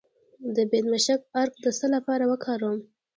د بیدمشک عرق د څه لپاره وکاروم؟